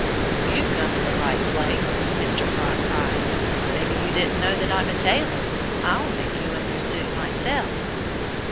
"You've come to the right place!" Mr. Frog cried. "Maybe you didn't know that I'm a tailor. I'll make you a new suit myself!"